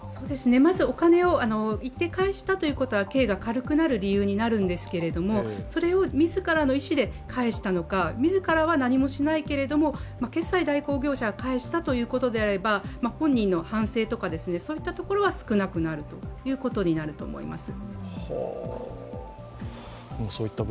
まずお金を一定返したというのは刑が軽くなる理由になるんですけどそれを自らの意思で返したのか、自らは何もしないけれども決済代行業者が返したということであれば本人の反省とか、そういったところは少なくなるというところだと思います。